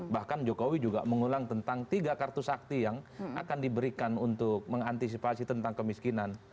bahkan jokowi juga mengulang tentang tiga kartu sakti yang akan diberikan untuk mengantisipasi tentang kemiskinan